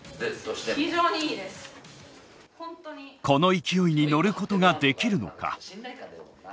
この勢いに乗ることができるのか。